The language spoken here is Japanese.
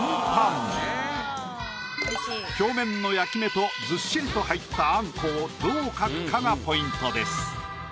表面の焼き目とずっしりと入ったあんこをどう描くかがポイントです。